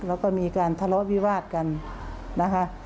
แล้วก็มีการทะเลาะวิวาสกันนะคะ